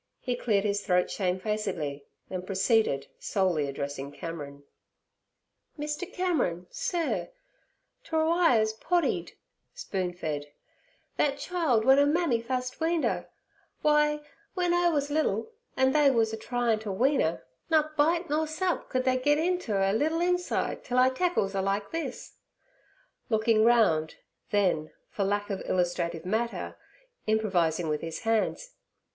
He cleared his throat shamefacedly, then proceeded, solely addressing Cameron: 'Mr. Cameron, sur, 't were I ez poddied' (spoon fed) 'thet child w'en 'er mammy fust weaned 'er. W'y, w'en 'er wuz liddle, an' they wuz a tryin' ter wean 'er, nut bite nor sup could they get inter 'er liddle inside till I tackles 'er like this'—looking round; then, for lack of illustrative matter, improvising with his hands.